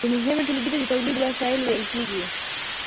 دې مهمې ټولګې ته د تولید وسایل ویل کیږي.